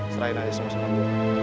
serahin aja sama sama gua